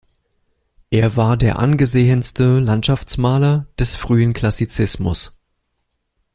Er war der angesehenste Landschaftsmaler des frühen Klassizismus.